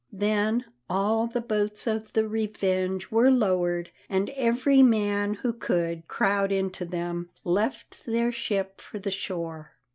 Then all the boats of the Revenge were lowered, and every man who could crowd into them left their ship for the shore.